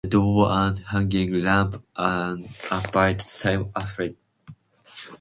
The doors and hanging lamps are by the same artists.